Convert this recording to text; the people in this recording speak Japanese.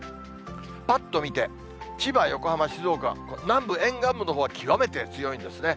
ぱっと見て、千葉、横浜、静岡、南部、沿岸部のほうは極めて強いんですね。